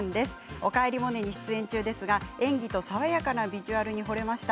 「おかえりモネ」に出演中ですが演技と爽やかなビジュアルにほれました。